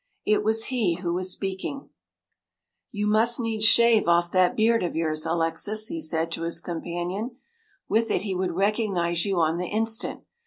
It was he who was speaking. “You must needs shave off that beard of yours, Alexis,” he said to his companion. “With it he would recognize you on the instant.